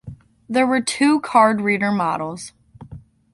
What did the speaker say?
There were two card reader models.